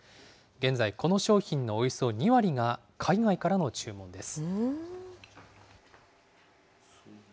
現在、この商品のおよそ２割が海外からの注文です。